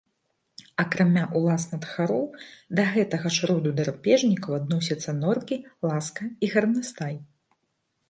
Акрамя ўласна тхароў, да гэтага ж роду драпежнікаў адносяцца норкі, ласка і гарнастай.